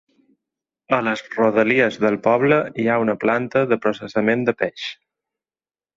A les rodalies del poble, hi ha una planta de processament de peix.